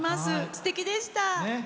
すてきでした。